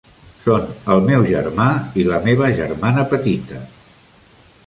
Són el meu germà i la meva germana petita.